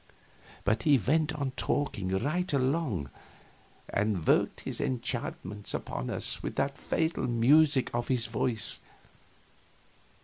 But he went on talking right along, and worked his enchantments upon us again with that fatal music of his voice.